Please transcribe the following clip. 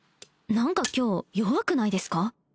何か今日弱くないですか？